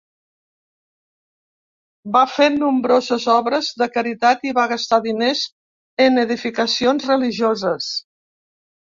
Va fer nombroses obres de caritat i va gastar diners en edificacions religioses.